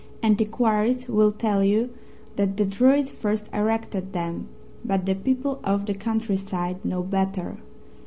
Antiquaries will tell you that the Druids first erected them, but the people of the countryside know better.